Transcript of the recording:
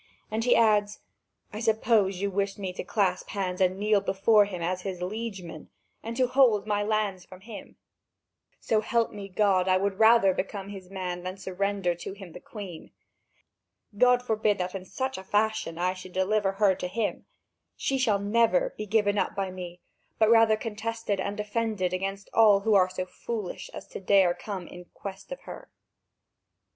And he adds: "I suppose you wish me to clasp my hands and kneel before him as his liegeman, and to hold my lands from him? So help me God, I would rather become his man than surrender to him the Queen! God forbid that in such a fashion I should deliver her to him! She shall never be given up by me, but rather contested and defended against all who are so foolish as to dare to come in quest of her."